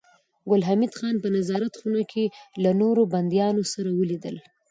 ګل حمید خان په نظارت خونه کې له نورو بنديانو سره ولیدل